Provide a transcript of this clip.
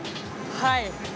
はい！